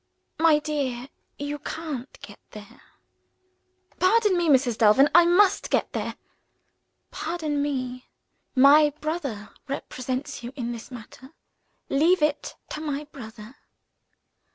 "My dear, you can't get there." "Pardon me, Mrs. Delvin, I must get there." "Pardon me. My brother represents you in this matter. Leave it to my brother."